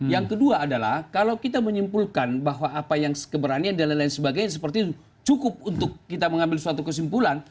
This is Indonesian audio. yang kedua adalah kalau kita menyimpulkan bahwa apa yang keberanian dan lain lain sebagainya seperti itu cukup untuk kita mengambil suatu kesimpulan